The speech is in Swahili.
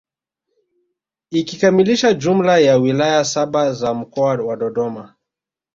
Ikikamilisha jumla ya wilaya saba za mkoa wa Dodoma